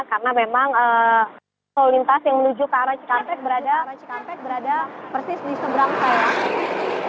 karena memang arus lalu lintas yang menuju ke arah cikampek berada persis di seberang saya